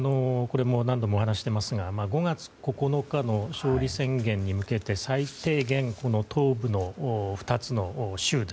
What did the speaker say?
これも何度もお話ししてますが５月９日の勝利宣言に向けて最低限、東部の２つの州